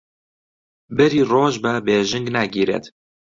بەری ڕۆژ بە بێژنگ ناگیرێت